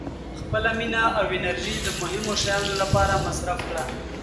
• خپله مینه او انرژي د مهمو شیانو لپاره مصرف کړه.